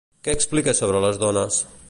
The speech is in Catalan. Què explica sobre les dones?